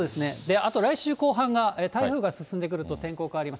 あと、来週後半が台風が進んでくると天候変わります。